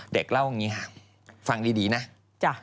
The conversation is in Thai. เด็กเล่าอย่างนี้ฮะฟังดีนะ